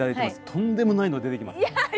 とんでもないの出てきます。